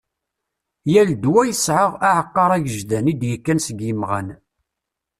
Yal ddwa yesɛa "Aɛeqqar agejdan" id-yekkan seg imɣan.